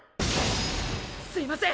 すいません